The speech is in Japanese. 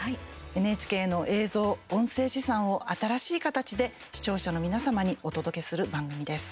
ＮＨＫの映像、音声資産を新しい形で視聴者の皆様にお届けする番組です。